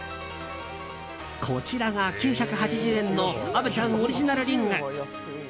こちらが９８０円の虻ちゃんオリジナルリング。